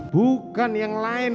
bukan yang lain